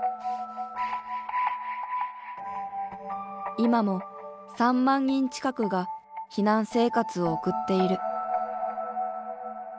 今も３万人近くが避難生活を送っている。